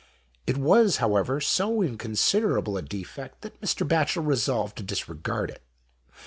It was, however, so incon siderable a defect that Mr. Batchel resolved to disregard it.